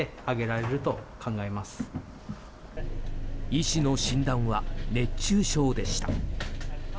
医師の診断は熱中症でした。